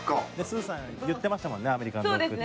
すずさん言ってましたもんねアメリカンドッグ。